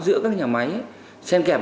giữa các nhà máy sen kèm